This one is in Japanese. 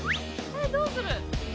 えっどうする？